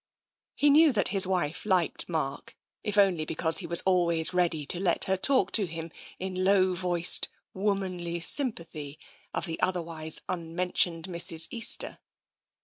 He knew that his wife liked Mark, if only because he was always ready to let her talk to him in low voiced, womanly sympathy of the otherwise unmen tioned Mrs. Easter.